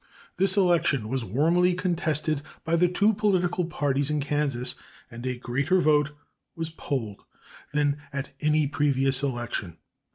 This election was warmly contested by the two political parties in Kansas, and a greater vote was polled than at any previous election.